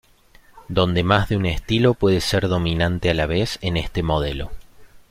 Donde más de un estilo puede ser dominante a la vez en este modelo.